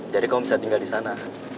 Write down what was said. jadi kamu bisa tinggal di sana